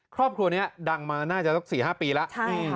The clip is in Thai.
ครอบครัวนี้ดังมาน่าจะสัก๔๕ปีแล้ว